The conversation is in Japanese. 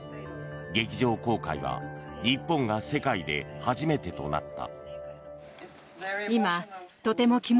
劇場公開は日本が世界で初めてとなった。